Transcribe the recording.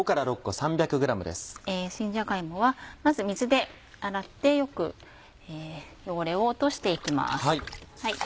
新じゃが芋はまず水で洗ってよく汚れを落としていきます。